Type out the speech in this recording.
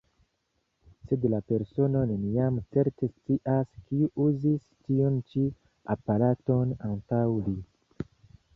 Sed la persono neniam certe scias, kiu uzis tiun ĉi aparaton antaŭ li.